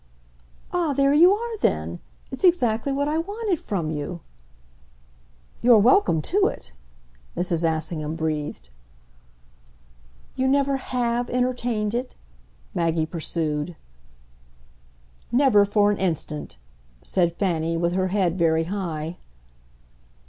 "Ah, there you are then! It's exactly what I wanted from you." "You're welcome to it!" Mrs. Assingham breathed. "You never HAVE entertained it?" Maggie pursued. "Never for an instant," said Fanny with her head very high.